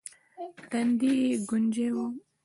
تندی يې ګونجې و.